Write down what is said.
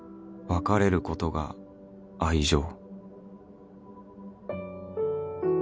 別れることが愛情？